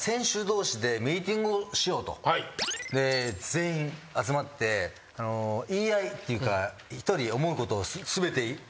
全員集まって言い合いっていうか１人思うことを全て言いましょうという。